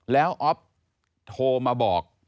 แล้วอ๊อฟโทรมาบอก